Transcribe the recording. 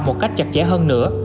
một cách chặt chẽ hơn nữa